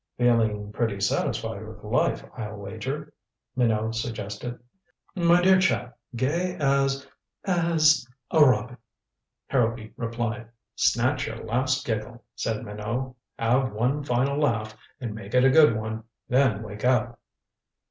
"Feeling pretty satisfied with life, I'll wager," Minot suggested. "My dear chap, gay as as a robin," Harrowby replied. "Snatch your last giggle," said Minot. "Have one final laugh, and make it a good one. Then wake up."